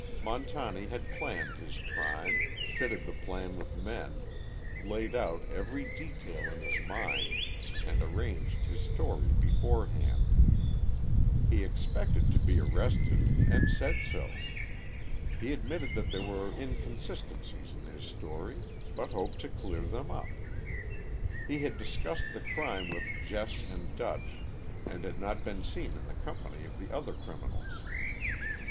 Montani had planned his crime, fitted the plan with men, laid out every detail in his mind, and arranged his story beforehand. He expected to be arrested, and said so. He admitted that there were inconsistencies in his story, but hoped to clear them up. He had discussed the crime with Jess and Dutch, and had not been seen in the company of the other criminals.